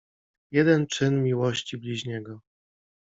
Jeden czyn miłości bliźniego.